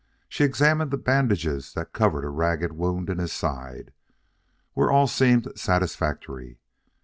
She examined the bandages that covered a ragged wound in his side, where all seemed satisfactory.